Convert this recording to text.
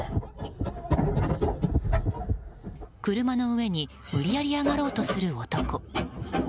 車の上に無理やり上がろうとする男。